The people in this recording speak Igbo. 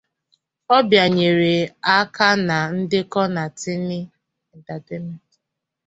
Ọ bịanyere aka na ndekọ na Tinny Entertainment.